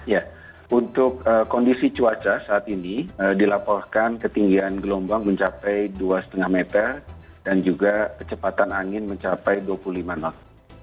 ya untuk kondisi cuaca saat ini dilaporkan ketinggian gelombang mencapai dua lima meter dan juga kecepatan angin mencapai dua puluh lima knot